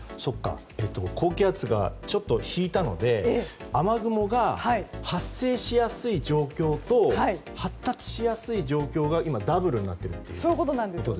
高気圧がちょっと引いたので雨雲が発生しやすい状況と発達しやすい状況が今、ダブルになっているということですか。